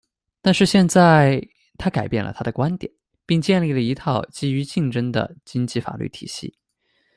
但是现在……他改变了他的观点，并建立了一套基于竞争的经济法律体系。